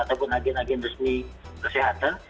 ataupun agen agen resmi kesehatan